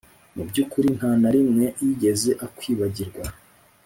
Mu by ukuri nta na rimwe yigeze akwibagirwa